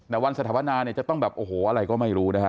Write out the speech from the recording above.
แต่วันสถาปนาเนี่ยจะต้องแบบโอ้โหอะไรก็ไม่รู้นะฮะ